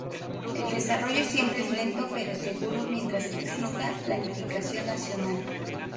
El desarrollo siempre es lento pero seguro mientras exista planificación nacional.